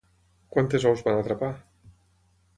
Quantes aus van atrapar?